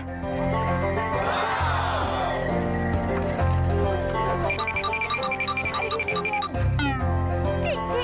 ดูสิ